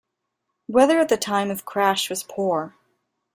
Weather at the time of crash was poor.